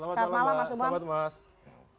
selamat malam mas umang